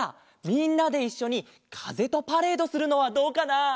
みんなでいっしょにかぜとパレードするのはどうかな？